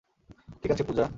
ঠিক আছে পূজা।